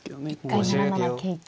一回７七桂と。